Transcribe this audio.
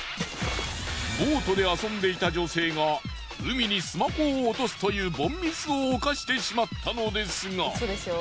ボートで遊んでいた女性が海にスマホを落とすという凡ミスを犯してしまったのですが。